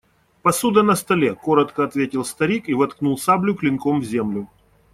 Посуда на столе, – коротко ответил старик и воткнул саблю клинком в землю.